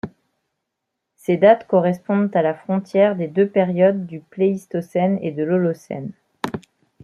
Ces dates correspondent à la frontière des deux périodes du Pléistocène et de l'Holocène.